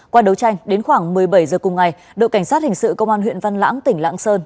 qua đấu tranh đến khoảng một mươi bảy h cùng ngày đội cảnh sát hình sự công an huyện văn lãng tỉnh lạng sơn